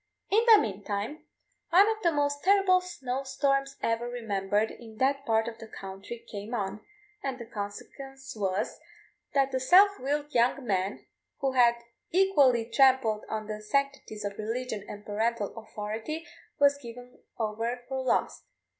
In the meantime one of the most terrible snow storms ever remembered in that part of the country came on, and the consequence was, that the self willed young man, who had equally trampled on the sanctities of religion and parental authority, was given over for lost.